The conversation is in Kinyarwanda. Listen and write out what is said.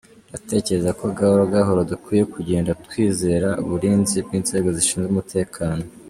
Ndatekereza ko gahoro gahoro dukwiye kugenda twizera uburinzi bw’inzego zishinzwe umutekano,”.